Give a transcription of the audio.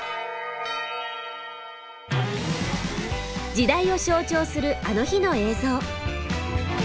時代を象徴する「あの日」の映像。